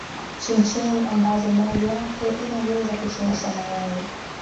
chemchem ambazo maji yake yanaweza kuchemsha mayai